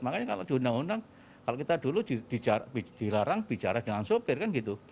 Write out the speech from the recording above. makanya kalau di undang undang kalau kita dulu dilarang bicara dengan sopir kan gitu